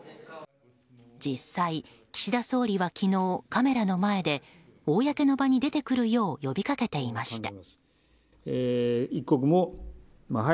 実際、岸田総理は昨日カメラの前で公の場に出てくるよう呼びかけていました。